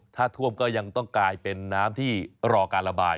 ถ้าท่วมก็ยังต้องกลายเป็นน้ำที่รอการระบาย